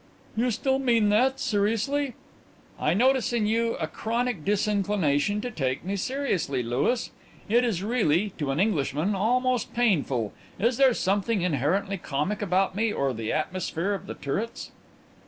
"You still mean that seriously?" "I notice in you a chronic disinclination to take me seriously, Louis. It is really to an Englishman almost painful. Is there something inherently comic about me or the atmosphere of The Turrets?"